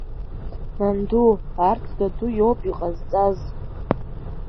Нанду, арҭ даду иоуп иҟазҵаз!